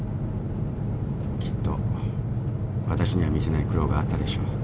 でもきっと私には見せない苦労があったでしょう。